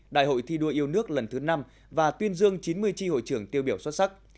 đại hội thi đua yêu nước lần thứ năm và tuyên dương chín mươi tri hội trưởng tiêu biểu xuất sắc